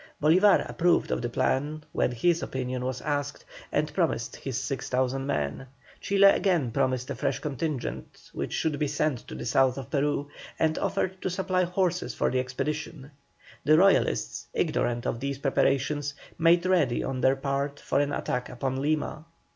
Bolívar approved of the plan when his opinion was asked, and promised his 6,000 men. Chile again promised a fresh contingent, which should be sent to the south of Peru, and offered to supply horses for the expedition. The Royalists, ignorant of these preparations, made ready on their part for an attack upon Lima.